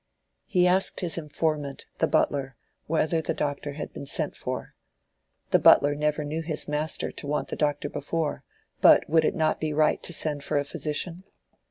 He asked his informant, the butler, whether the doctor had been sent for. The butler never knew his master to want the doctor before; but would it not be right to send for a physician?